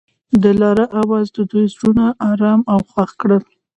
د لاره اواز د دوی زړونه ارامه او خوښ کړل.